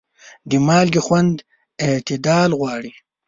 د مالګې خوند اعتدال غواړي.